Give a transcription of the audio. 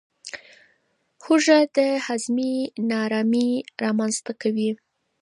هوږه د هاضمې نارامي رامنځته کوي.